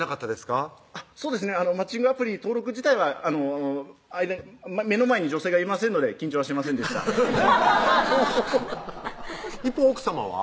アプリ登録自体は目の前に女性がいませんので緊張はしませんでした一方奥さまは？